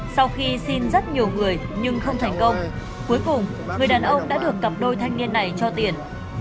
sau khi xin rất nhiều người nhưng không thành công cuối cùng người đàn ông đã được cặp đôi thanh niên này cho tiền